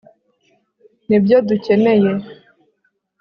nibyo dukeneye